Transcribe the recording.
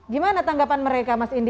gimana tanggapan mereka mas indi